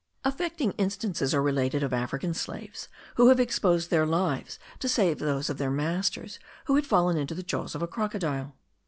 Affecting instances are related of African slaves, who have exposed their lives to save those of their masters, who had fallen into the jaws of a crocodile.